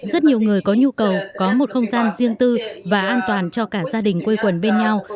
rất nhiều người có nhu cầu có một không gian riêng tư và an toàn cho cả gia đình quây quần bên nhau